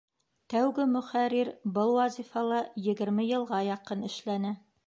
Тәүге мөхәррир был вазифала егерме йылға яҡын эшләне.